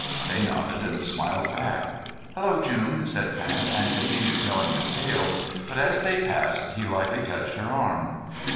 They nodded and smiled back. "Hello, June," said Pat and continued telling his tale, but as they passed he lightly touched her arm.